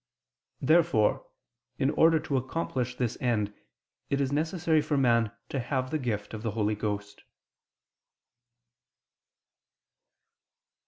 Therefore, in order to accomplish this end, it is necessary for man to have the gift of the Holy Ghost.